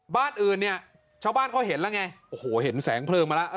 บ้านอื่นเนี่ยชาวบ้านเขาเห็นแล้วไงโอ้โหเห็นแสงเพลิงมาแล้ว